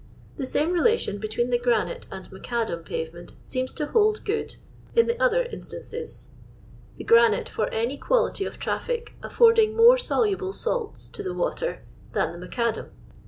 " The same relation between the granite and macadam pavement seems to hold good in the other instances; the granite for any quality of traffic affording more soluble salts to the water than the macadam.